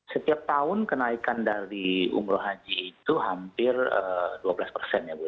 setiap tahun kenaikan dari umroh haji itu hampir dua belas persen ya bu